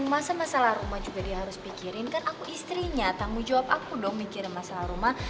masalah masalah rumah juga dia harus pikirin kan aku istrinya tanggung jawab aku dong mikirin masalah rumah